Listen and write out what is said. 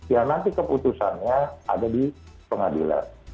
ya nanti keputusannya ada di pengadilan